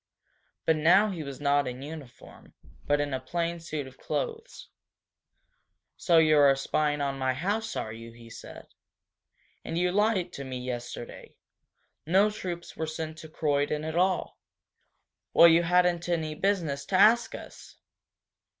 But now he was not in uniform, but in a plain suit of clothes. "So you are spying on my house, are you?" he said. "And you lied to me yesterday! No troops were sent to Croydon at all!" "Well, you hadn't any business to ask us!"